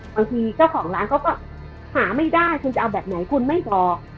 เจ้าของร้านเขาก็หาไม่ได้คุณจะเอาแบบไหนคุณไม่ออก